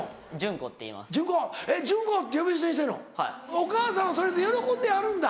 お母さんはそれで喜んではるんだ。